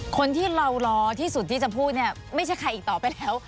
คนที่เรารอที่สุดที่จะพูดเนี่ยไม่ใช่ใครอีกต่อไปแล้ว